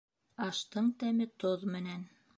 Аштың тәме тоҙ менән.